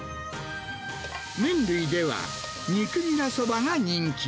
麺類では、肉ニラそばが人気。